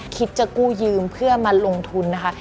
คิดจะกู้ยืมเพื่อมาลงทุนนะคะ